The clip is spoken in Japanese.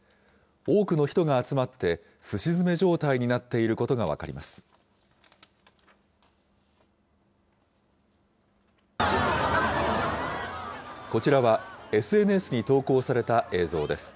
多くの人が集まって、すし詰め状態になっていることが分かります。